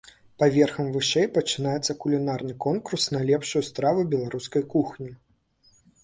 Паверхам вышэй пачынаецца кулінарны конкурс на лепшую страву беларускай кухні.